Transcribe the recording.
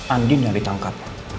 andin yang ditangkap